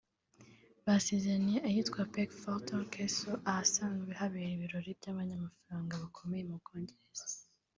basezeraniye ahitwa Peckforton Castle ahasanzwe habera ibirori by’abanyamafaranga bakomeye mu Bwongereza